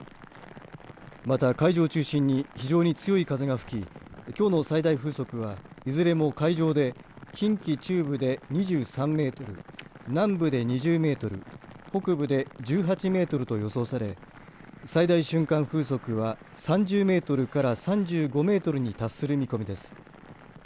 また海上を中心に非常に強い風が吹ききょうの最大風速はいずれも海上で近畿中部で２３メートル南部で２０メートル北部で１８メートルと予想され最大瞬間風速は３０メートルから３５メートルに達する見込みです。